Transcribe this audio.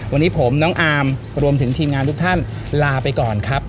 วันนี้ผมน้องอาร์มรวมถึงทีมงานทุกท่านลาไปก่อนครับ